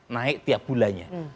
naik tiap bulannya